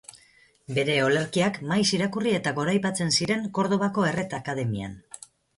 Bere olerkiak maiz irakurri eta goraipatzen ziren Kordobako Erret Akademian.